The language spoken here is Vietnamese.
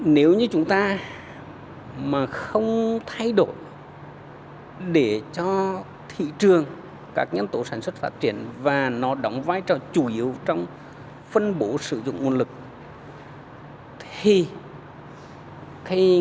nếu như chúng ta mà không thay đổi để cho thị trường các nhân tổ sản xuất phát triển và nó đóng vai trò chủ yếu trong phân bổ sử dụng nguồn lực thì nguồn lực của chúng ta sẽ tiếp tục được phân bổ một cách mèo mỏ không theo tín hiệu thị trường